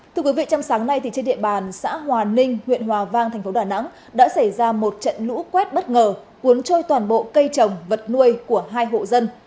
thưa quý vị trong sáng nay trên địa bàn xã hòa ninh huyện hòa vang thành phố đà nẵng đã xảy ra một trận lũ quét bất ngờ cuốn trôi toàn bộ cây trồng vật nuôi của hai hộ dân